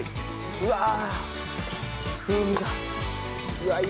うわあ。